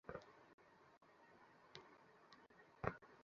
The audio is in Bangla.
বেদ, উপনিষদ্, গীতা, ভাগবত পড়া হবে, অষ্টাধ্যায়ী পড়াব।